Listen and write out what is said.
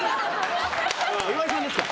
岩井さんですか？